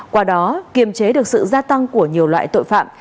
qua đó kiềm chế được sự gia tăng của nhiều loại tội phạm